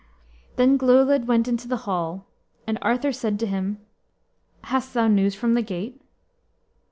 Then Glewlwyd went into the hall. And Arthur said to him, "Hast thou news from the gate?"